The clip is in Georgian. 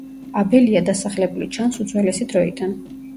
აბელია დასახლებული ჩანს უძველესი დროიდან.